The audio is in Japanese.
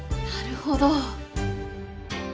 なるほど。